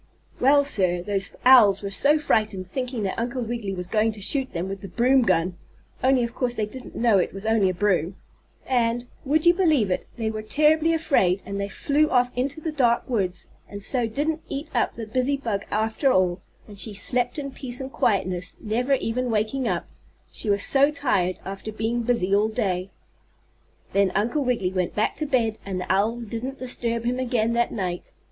Well, sir, those owls were so frightened, thinking that Uncle Wiggily was going to shoot them with the broom gun (only, of course, they didn't know it was only a broom), and, would you believe it, they were terribly afraid and they flew off into the dark woods, and so didn't eat up the busy bug after all, and she slept in peace and quietness, never even waking up, she was so tired after being busy all day. Then Uncle Wiggily went back to bed, and the owls didn't disturb him again that night.